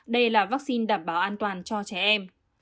đây là vaccine đảm bảo an toàn cho trẻ em